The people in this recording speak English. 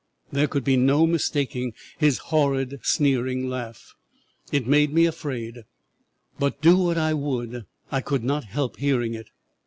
There could be no mistaking his horrid, sneering laugh; it made me afraid, but do what I would I could not help hearing it.